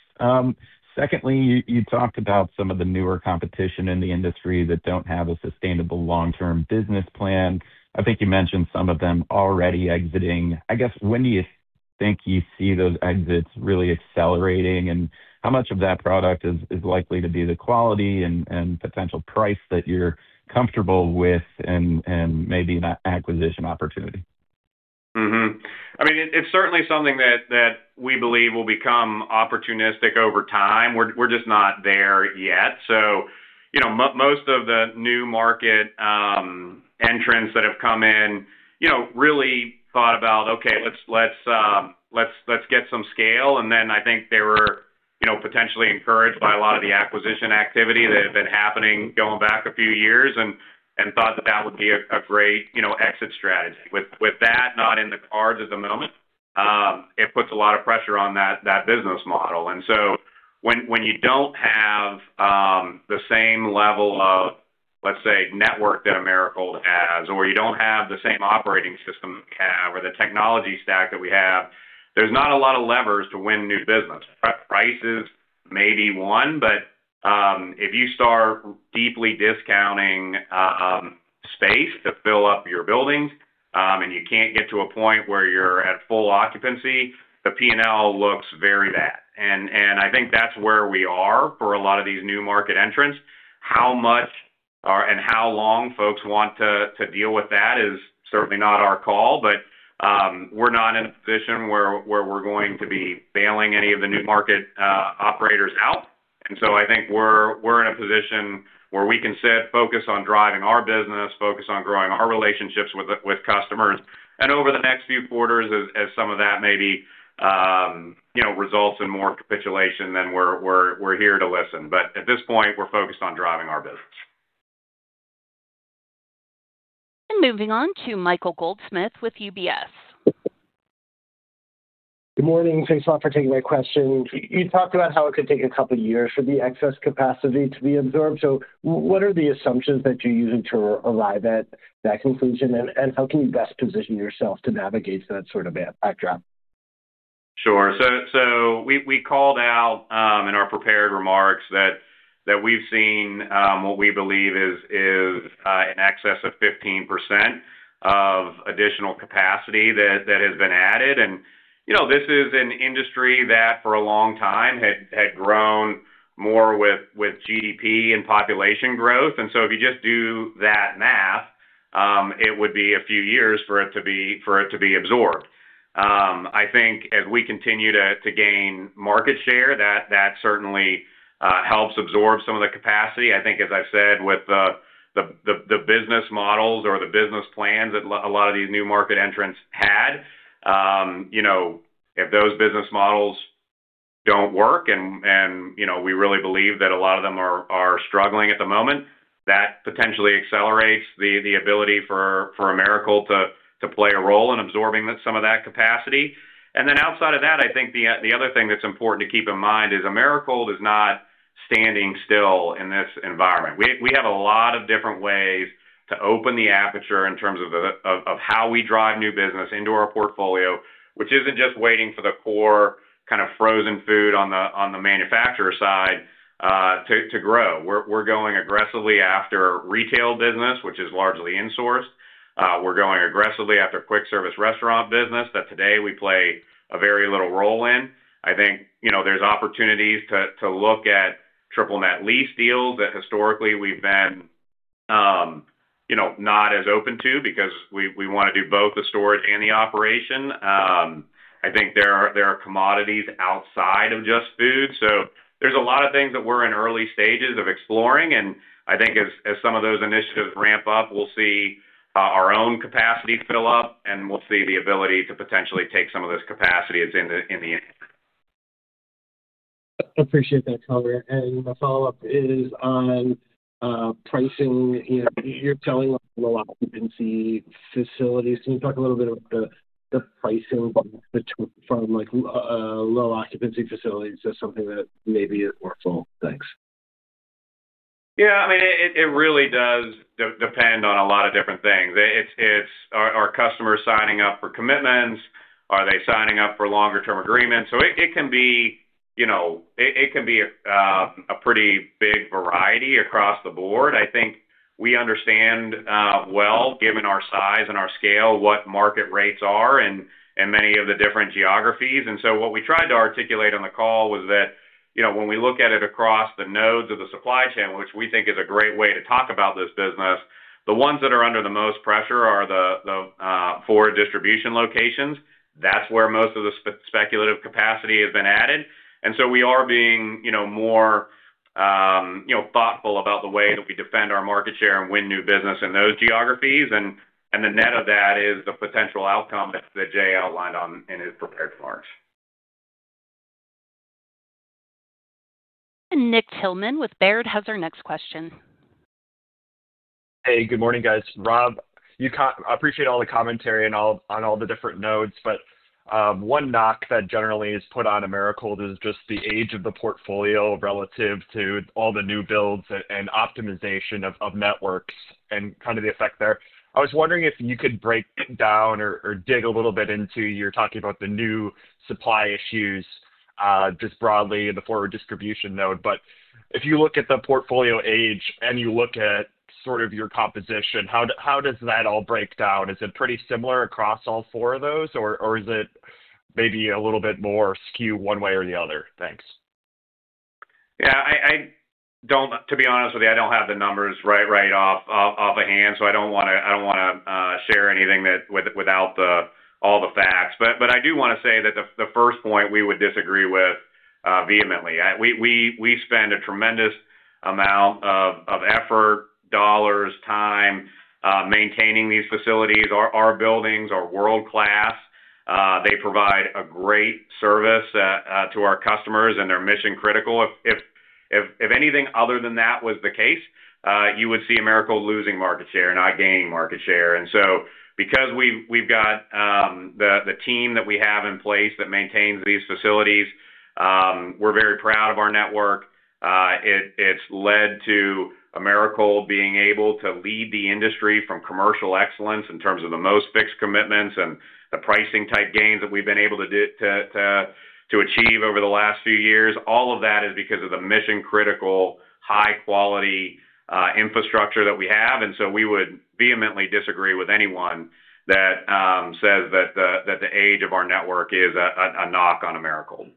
Secondly, you talked about some of the newer competition in the industry that don't have a sustainable long-term business plan. I think you mentioned some of them already exiting. I guess, when do you think you see those exits really accelerating, and how much of that product is likely to be the quality and potential price that you're comfortable with? And maybe an acquisition opportunity? I mean, it's certainly something that we believe will become opportunistic over time. We're just not there yet. Most of the new market entrants that have come in really thought about, "Okay, let's get some scale." I think they were potentially encouraged by a lot of the acquisition activity that had been happening going back a few years and thought that that would be a great exit strategy. With that not in the cards at the moment, it puts a lot of pressure on that business model. When you do not have the same level of, let's say, network that Americold has, or you do not have the same operating system we have, or the technology stack that we have, there are not a lot of levers to win new business. Price is maybe one, but if you start deeply discounting space to fill up your buildings and you cannot get to a point where you are at full occupancy, the P&L looks very bad. I think that's where we are for a lot of these new market entrants. How much and how long folks want to deal with that is certainly not our call, but we're not in a position where we're going to be bailing any of the new market operators out. I think we're in a position where we can sit focused on driving our business, focused on growing our relationships with customers. Over the next few quarters, as some of that maybe results in more capitulation, then we're here to listen. At this point, we're focused on driving our business. Moving on to Michael Goldsmith with UBS. Good morning. Thanks a lot for taking my question. You talked about how it could take a couple of years for the excess capacity to be absorbed. What are the assumptions that you're using to arrive at that conclusion, and how can you best position yourself to navigate that sort of backdrop? Sure. We called out in our prepared remarks that we've seen what we believe is an excess of 15% of additional capacity that has been added. This is an industry that for a long time had grown more with GDP and population growth. If you just do that math, it would be a few years for it to be absorbed. I think as we continue to gain market share, that certainly helps absorb some of the capacity. I think, as I've said, with the business models or the business plans that a lot of these new market entrants had. If those business models do not work, and we really believe that a lot of them are struggling at the moment, that potentially accelerates the ability for Americold to play a role in absorbing some of that capacity. Outside of that, I think the other thing that is important to keep in mind is Americold is not standing still in this environment. We have a lot of different ways to open the aperture in terms of how we drive new business into our portfolio, which is not just waiting for the core kind of frozen food on the manufacturer side to grow. We are going aggressively after retail business, which is largely insourced. We are going aggressively after quick-service restaurant business that today we play a very little role in. I think there are opportunities to look at triple-net lease deals that historically we have been. Not as open to because we want to do both the storage and the operation. I think there are commodities outside of just food. There are a lot of things that we're in early stages of exploring. I think as some of those initiatives ramp up, we'll see our own capacity fill up, and we'll see the ability to potentially take some of this capacity that's in the- Appreciate that color. My follow-up is on pricing. You're talking about low-occupancy facilities. Can you talk a little bit about the pricing from low-occupancy facilities as something that maybe is more full? Thanks. Yeah. I mean, it really does depend on a lot of different things. Are customers signing up for commitments? Are they signing up for longer-term agreements? It can be a pretty big variety across the board. I think we understand. Given our size and our scale, what market rates are in many of the different geographies. What we tried to articulate on the call was that when we look at it across the nodes of the supply chain, which we think is a great way to talk about this business, the ones that are under the most pressure are the food distribution locations. That is where most of the speculative capacity has been added. We are being more thoughtful about the way that we defend our market share and win new business in those geographies. The net of that is the potential outcome that Jay outlined in his prepared remarks. Nick Thillman with Baird has our next question. Hey, good morning, guys. Rob, I appreciate all the commentary on all the different nodes, but one knock that generally is put on Americold is just the age of the portfolio relative to all the new builds and optimization of networks and kind of the effect there. I was wondering if you could break down or dig a little bit into you're talking about the new supply issues. Just broadly in the forward distribution node. If you look at the portfolio age and you look at sort of your composition, how does that all break down? Is it pretty similar across all four of those, or is it maybe a little bit more skewed one way or the other? Thanks. Yeah. To be honest with you, I don't have the numbers right offhand, so I don't want to share anything without all the facts. I do want to say that the first point we would disagree with vehemently. We spend a tremendous amount of effort, dollars, time maintaining these facilities. Our buildings are world-class. They provide a great service to our customers and they're mission-critical. If anything other than that was the case, you would see Americold losing market share, not gaining market share. Because we've got the team that we have in place that maintains these facilities, we're very proud of our network. It's led to Americold being able to lead the industry from commercial excellence in terms of the most fixed commitments and the pricing-type gains that we've been able to achieve over the last few years. All of that is because of the mission-critical, high-quality infrastructure that we have. We would vehemently disagree with anyone that says that the age of our network is a knock on Americold.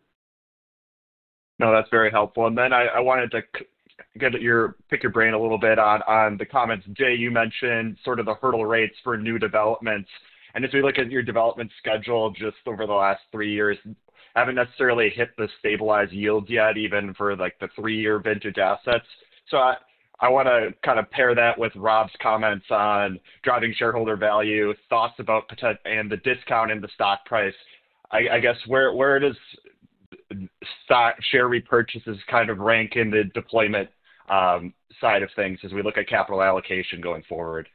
No, that's very helpful. Then I wanted to pick your brain a little bit on the comments. Jay, you mentioned sort of the hurdle rates for new developments. As we look at your development schedule just over the last three years, haven't necessarily hit the stabilized yields yet, even for the three-year vintage assets. I want to kind of pair that with Rob's comments on driving shareholder value, thoughts about the discount in the stock price. I guess where does stock share repurchases kind of rank in the deployment side of things as we look at capital allocation going forward?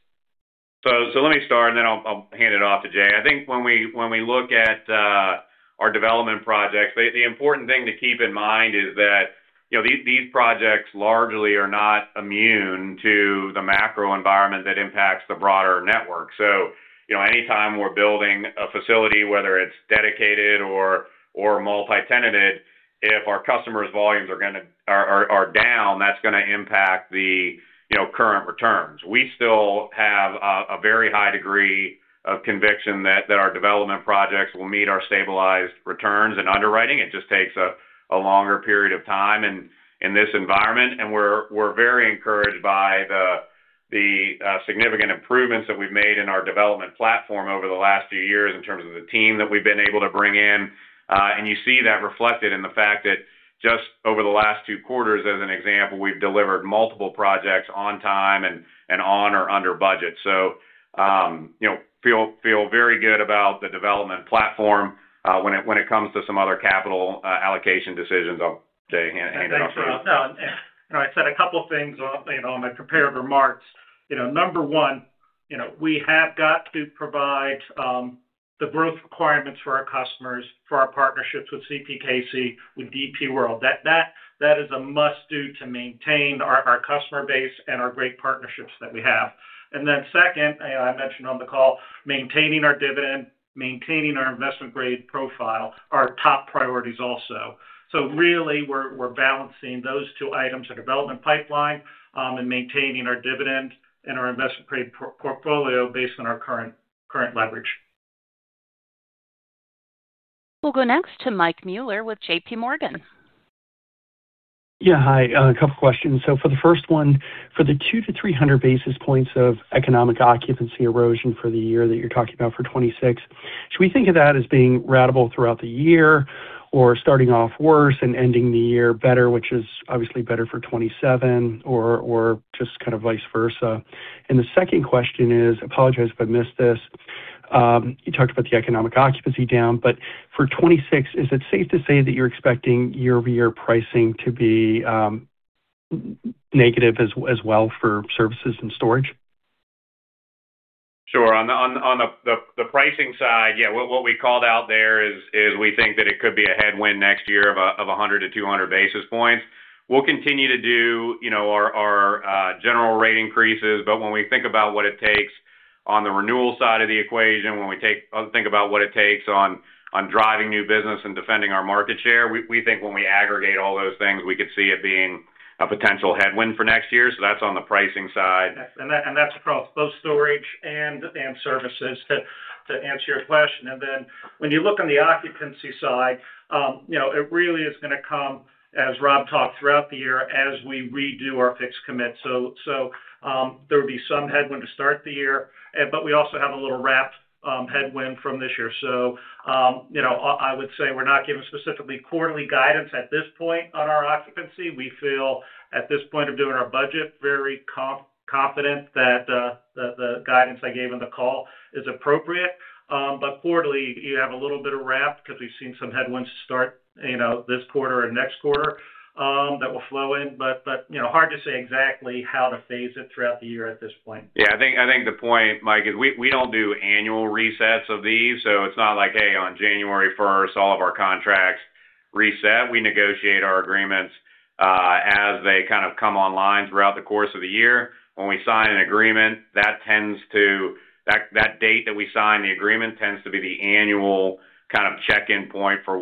Let me start, and then I'll hand it off to Jay. I think when we look at our development projects, the important thing to keep in mind is that these projects largely are not immune to the macro environment that impacts the broader network. Anytime we're building a facility, whether it's dedicated or multi-tenanted, if our customers' volumes are down, that's going to impact the current returns. We still have a very high degree of conviction that our development projects will meet our stabilized returns and underwriting. It just takes a longer period of time in this environment. We are very encouraged by the significant improvements that we've made in our development platform over the last few years in terms of the team that we've been able to bring in. You see that reflected in the fact that just over the last two quarters, as an example, we've delivered multiple projects on time and on or under budget. We feel very good about the development platform. When it comes to some other capital allocation decisions. Jay, anything else? Thanks, Rob. No, I said a couple of things on the prepared remarks. Number one, we have got to provide the growth requirements for our customers, for our partnerships with CPKC, with DP World. That is a must-do to maintain our customer base and our great partnerships that we have. Second, I mentioned on the call, maintaining our dividend, maintaining our investment-grade profile are top priorities also. Really, we're balancing those two items, our development pipeline and maintaining our dividend and our investment-grade portfolio based on our current leverage. We'll go next to Mike Mueller with JPMorgan. Yeah. Hi. A couple of questions. For the first one, for the 2-300 basis points of economic occupancy erosion for the year that you are talking about for 2026, should we think of that as being ratable throughout the year or starting off worse and ending the year better, which is obviously better for 2027, or just kind of vice versa? The second question is, apologies if I missed this. You talked about the economic occupancy down, but for 2026, is it safe to say that you are expecting year-over-year pricing to be negative as well for services and storage? Sure. On the pricing side, what we called out there is we think that it could be a headwind next year of 100-200 basis points. We will continue to do our general rate increases, but when we think about what it takes on the renewal side of the equation, when we think about what it takes on driving new business and defending our market share, we think when we aggregate all those things, we could see it being a potential headwind for next year. That is on the pricing side. That is across both storage and services, to answer your question. When you look on the occupancy side, it really is going to come, as Rob talked throughout the year, as we redo our fixed commit. There would be some headwind to start the year, but we also have a little wrapped headwind from this year. I would say we are not giving specifically quarterly guidance at this point on our occupancy. We feel, at this point of doing our budget, very confident that the guidance I gave on the call is appropriate. Quarterly, you have a little bit of wrap because we've seen some headwinds start this quarter and next quarter that will flow in. Hard to say exactly how to phase it throughout the year at this point. Yeah. I think the point, Mike, is we don't do annual resets of these. It's not like, "Hey, on January 1st, all of our contracts reset." We negotiate our agreements as they kind of come online throughout the course of the year. When we sign an agreement, that date that we sign the agreement tends to be the annual kind of check-in point for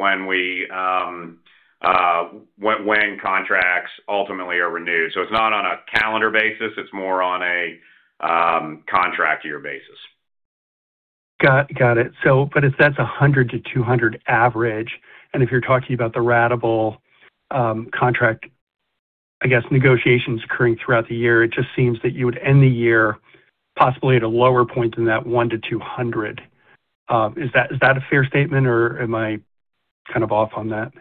when contracts ultimately are renewed. It's not on a calendar basis. It's more on a contract-year basis. Got it. If that's 100-200 average, and if you're talking about the ratable contract, I guess, negotiations occurring throughout the year, it just seems that you would end the year possibly at a lower point than that 1-200. Is that a fair statement, or am I kind of off on that?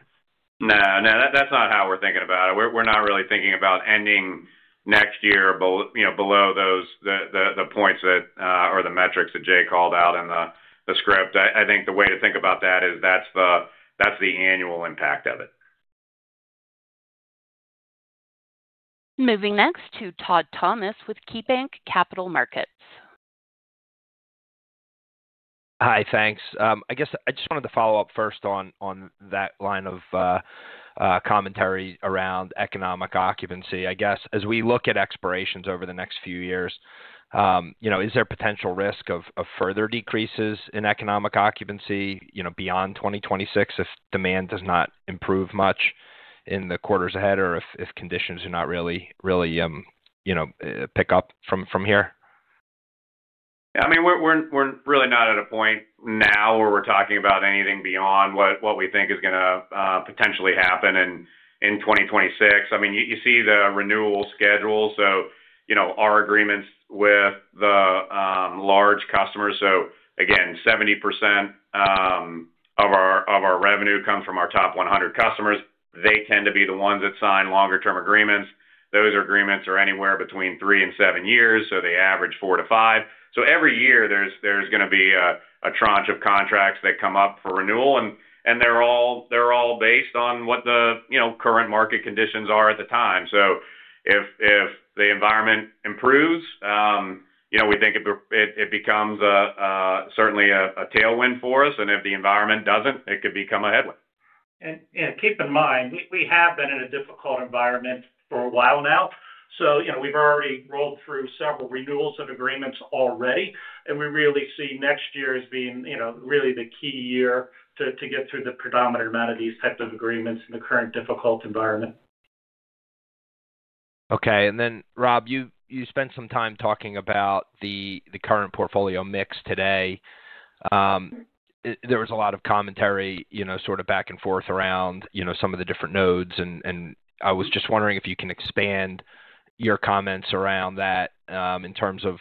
No, no. That's not how we're thinking about it. We're not really thinking about ending next year below. The points or the metrics that Jay called out in the script. I think the way to think about that is that's the annual impact of it. Moving next to Todd Thomas with KeyBanc Capital Markets. Hi, thanks. I guess I just wanted to follow up first on that line of commentary around economic occupancy. I guess as we look at expirations over the next few years, is there potential risk of further decreases in economic occupancy beyond 2026 if demand does not improve much in the quarters ahead or if conditions do not really pick up from here? Yeah. I mean, we're really not at a point now where we're talking about anything beyond what we think is going to potentially happen in 2026. I mean, you see the renewal schedule. So our agreements with the large customers, so again, 70% of our revenue comes from our top 100 customers. They tend to be the ones that sign longer-term agreements. Those agreements are anywhere between three and seven years, so they average four to five. So every year, there's going to be a tranche of contracts that come up for renewal. They are all based on what the current market conditions are at the time. If the environment improves, we think it becomes certainly a tailwind for us. If the environment does not, it could become a headwind. Keep in mind, we have been in a difficult environment for a while now. We have already rolled through several renewals of agreements already. We really see next year as being really the key year to get through the predominant amount of these types of agreements in the current difficult environment. Okay. Rob, you spent some time talking about the current portfolio mix today. There was a lot of commentary sort of back and forth around some of the different nodes. I was just wondering if you can expand your comments around that in terms of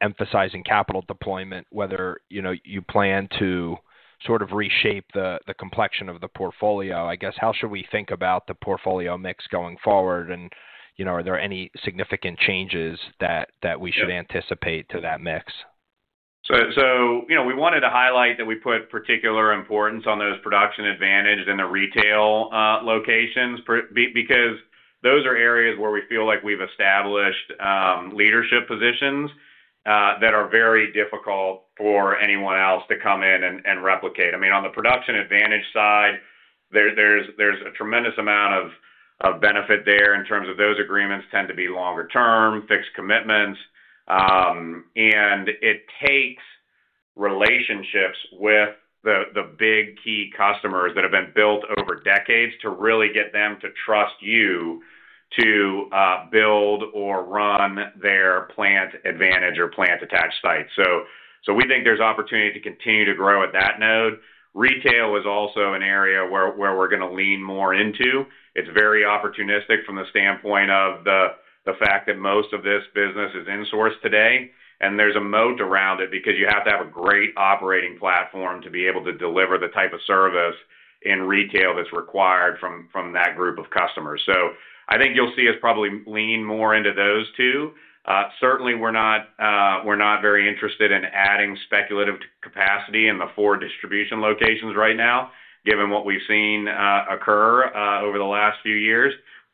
emphasizing capital deployment, whether you plan to sort of reshape the complexion of the portfolio. I guess, how should we think about the portfolio mix going forward? Are there any significant changes that we should anticipate to that mix? We wanted to highlight that we put particular importance on those production-attached and the retail locations because those are areas where we feel like we've established leadership positions that are very difficult for anyone else to come in and replicate. I mean, on the production-attached side, there's a tremendous amount of benefit there in terms of those agreements tend to be longer-term, fixed commitments. It takes relationships with the big key customers that have been built over decades to really get them to trust you to build or run their plant advantage or plant-attached sites. We think there is opportunity to continue to grow at that node. Retail is also an area where we are going to lean more into. It is very opportunistic from the standpoint of the fact that most of this business is in-source today. There is a moat around it because you have to have a great operating platform to be able to deliver the type of service in retail that is required from that group of customers. I think you will see us probably lean more into those two. Certainly, we are not very interested in adding speculative capacity in the four distribution locations right now, given what we have seen occur over the last few years.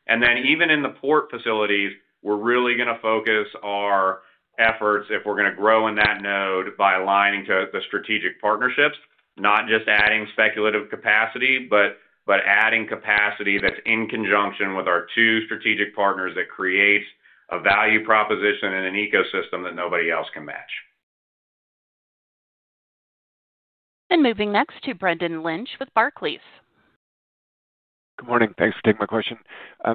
Even in the port facilities, we're really going to focus our efforts if we're going to grow in that node by aligning to the strategic partnerships, not just adding speculative capacity, but adding capacity that's in conjunction with our two strategic partners that creates a value proposition in an ecosystem that nobody else can match. Moving next to Brendan Lynch with Barclays. Good morning. Thanks for taking my question.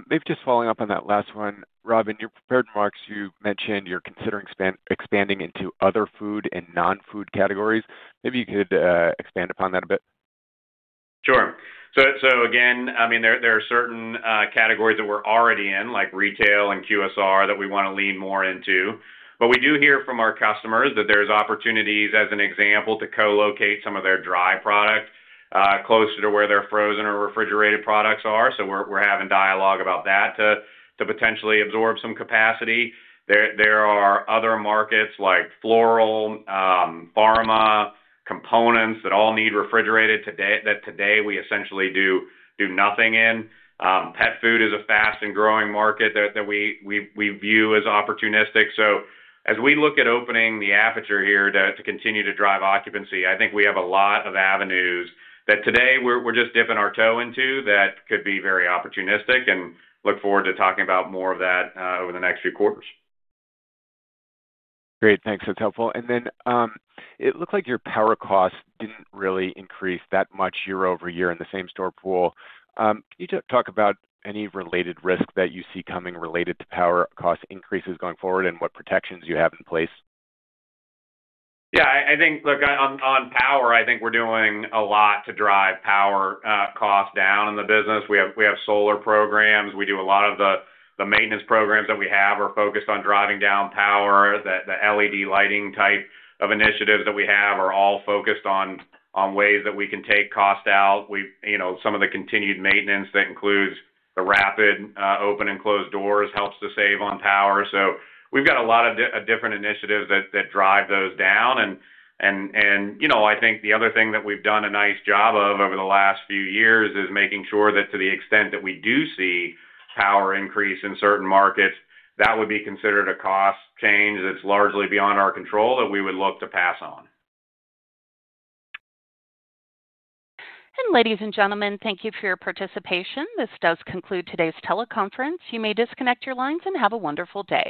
Maybe just following up on that last one. Rob, in your prepared remarks, you mentioned you're considering expanding into other food and non-food categories. Maybe you could expand upon that a bit? Sure. I mean, there are certain categories that we're already in, like retail and QSR, that we want to lean more into. We do hear from our customers that there's opportunities, as an example, to co-locate some of their dry product closer to where their frozen or refrigerated products are. We are having dialogue about that to potentially absorb some capacity. There are other markets like floral, pharma components that all need refrigerated that today we essentially do nothing in. Pet food is a fast and growing market that we view as opportunistic. As we look at opening the aperture here to continue to drive occupancy, I think we have a lot of avenues that today we're just dipping our toe into that could be very opportunistic and look forward to talking about more of that over the next few quarters. Great. Thanks. That's helpful. It looks like your power costs did not really increase that much year-over-year in the same store pool. Can you talk about any related risk that you see coming related to power cost increases going forward and what protections you have in place? Yeah. I think, look, on power, I think we're doing a lot to drive power costs down in the business. We have solar programs. We do a lot of the maintenance programs that we have are focused on driving down power. The LED lighting type of initiatives that we have are all focused on ways that we can take costs out. Some of the continued maintenance that includes the rapid open and close doors helps to save on power. We have a lot of different initiatives that drive those down. I think the other thing that we've done a nice job of over the last few years is making sure that to the extent that we do see power increase in certain markets, that would be considered a cost change that's largely beyond our control that we would look to pass on. Ladies and gentlemen, thank you for your participation. This does conclude today's teleconference. You may disconnect your lines and have a wonderful day.